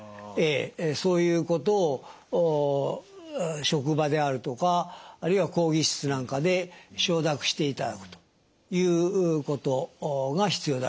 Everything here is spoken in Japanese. そういうことを職場であるとかあるいは講義室なんかで承諾していただくということが必要であると思います。